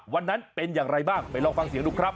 วันนั้นเป็นอย่างไรบ้างไปลองฟังเสียงดูครับ